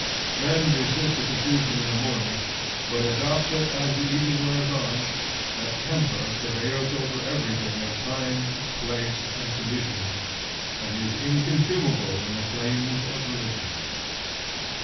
Men resist the conclusion in the morning, but adopt it as the evening wears on, that temper prevails over everything of time, place, and condition, and is inconsumable in the flames of religion.